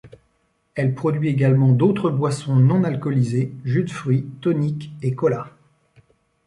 Elle produit également d'autres boissons non alcoolisées, jus de fruit, toniques et colas.